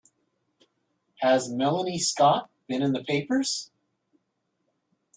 Has Melanie Scott been in the papers?